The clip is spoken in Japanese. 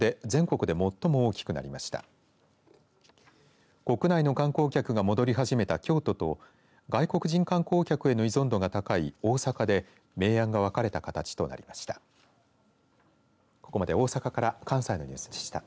国内の観光客が戻り始めた京都と外国人観光客への依存度が高い大阪で明暗が分かれた形となりました。